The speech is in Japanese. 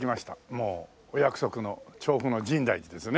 もうお約束の調布の深大寺ですね。